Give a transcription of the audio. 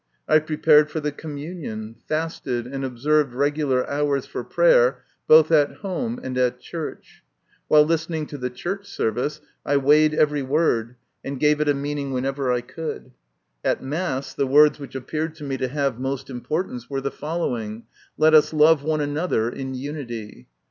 I prepared for the com munion, fasted, and observed regular hours for prayer both at home and at church. While listening to the church service, I weighed every word, and gave it a meaning whenever I could. At mass the words which appeared to me to have most importance were the following :" Let us love one another in unity."